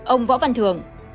ông võ văn thường